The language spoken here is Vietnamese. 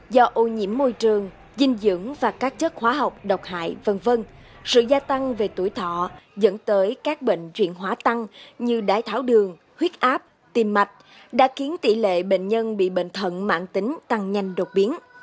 do ô nhiễm môi trường dinh dưỡng và các chất hóa học độc hại v v sự gia tăng về tuổi thọ dẫn tới các bệnh viện hóa tăng như đái tháo đường huyết áp tim mạch đã khiến tỷ lệ bệnh nhân bị bệnh thận mạng tính tăng nhanh đột biến